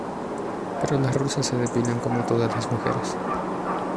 pero las rusas se depilan como todas las mujeres.